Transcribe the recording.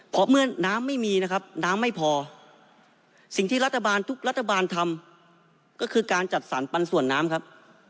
เพราะเมื่อน้ำไม่มีนะครับน้ำไม่พอสิ่งที่รัฐบาลทุกรัฐบาลทำก็คือการจัดสรรปันส่วนน้ำครับ